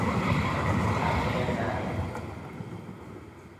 تختهی نرد